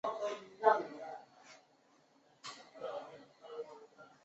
林猪殃殃为茜草科拉拉藤属下的一个种。